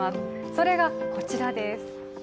それがこちらです。